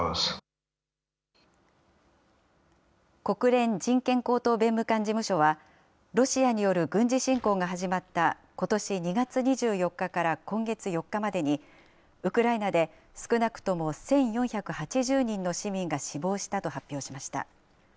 国連人権高等弁務官事務所は、ロシアによる軍事侵攻が始まったことし２月２４日から今月４日までに、ウクライナで少なくとも１４８０人の市民が死亡したと発表しました。